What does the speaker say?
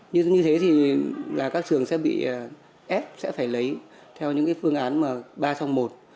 như thế thì các trường sẽ bị ép sẽ phải lấy theo những phương án ba trong một